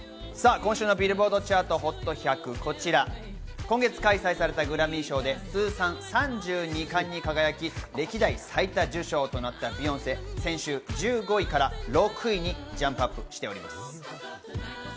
今週のＢｉｌｌｂｏａｒｄＨｏｔ１００、こちら今月開催されたグラミー賞で通算３２冠に輝き、歴代最多受賞となったビヨンセ、先週１５位から６位にジャンプアップしております。